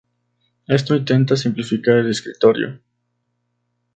Esto intenta simplificar el escritorio.